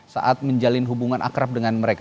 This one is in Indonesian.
saat menjalin hubungan akrab dengan mereka